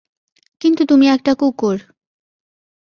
কিন্তু তুমি একটা কুকুর।